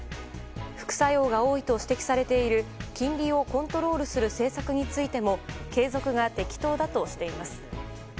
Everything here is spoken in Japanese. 副作用が多いと指摘されている金利をコントロールする政策についても継続が適当だとしています。